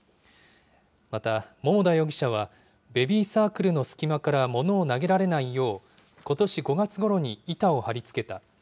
また、桃田容疑者はベビーサークルの隙間から物を投げられないよう、ことし５月ごろに板を張り付けた。